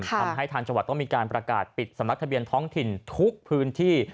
ทางจังหวัดต้องมีการประกาศปิดสำนักทะเบียนท้องถิ่นทุกพื้นที่